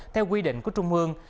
theo quy định của trung mương